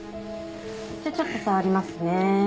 じゃあちょっと触りますね。